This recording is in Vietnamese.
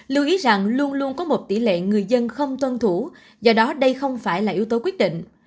lưu ý rằng luôn luôn có một tỷ lệ người dân không tuân thủ do đó đây không phải là yếu tố quyết định